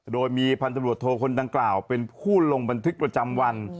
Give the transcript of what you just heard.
โดยมีพันธบรวจโทคนดังกล่าวเป็นผู้ลงบันทึกประจำวัน